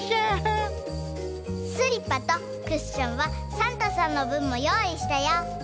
スリッパとクッションはサンタさんのぶんもよういしたよ。